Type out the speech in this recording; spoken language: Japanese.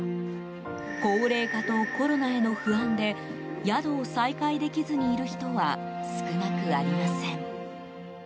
高齢化とコロナへの不安で宿を再開できずにいる人は少なくありません。